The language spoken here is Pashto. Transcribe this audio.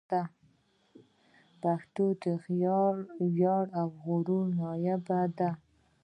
د پښتون وياړ او غرور ناياب دی